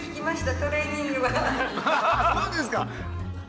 ああそうですか。